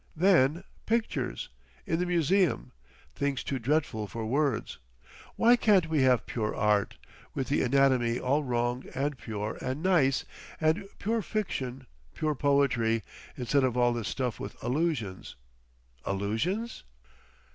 Then, pictures! In the museum—things too dreadful for words. Why can't we have pure art—with the anatomy all wrong and pure and nice—and pure fiction pure poetry, instead of all this stuff with allusions—allusions?...